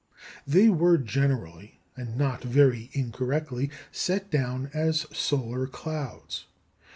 They were generally, and not very incorrectly, set down as solar clouds.